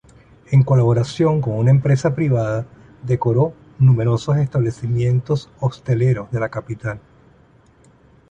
En colaboración con una empresa privada, decoró numerosos establecimientos hosteleros de la capital.